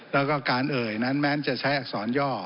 แล้วก็การเอ่ยนั้นแม้จะใช้อักษรย่อ